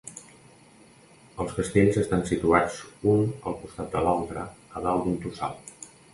Els castells estan situats un al costat de l'altre a dalt d'un tossal.